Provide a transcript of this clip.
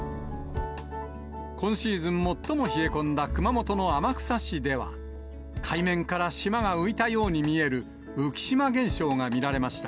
今シーズン最も冷え込んだ熊本の天草市では、海面から島が浮いたように見える、浮島現象が見られました。